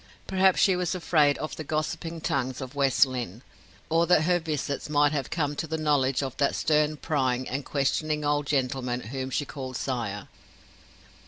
Perhaps she was afraid of the gossiping tongues of West Lynne, or that her visits might have come to the knowledge of that stern, prying, and questioning old gentleman whom she called sire.